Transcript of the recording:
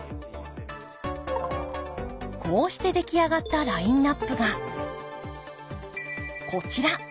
こうして出来上がったラインナップがこちら。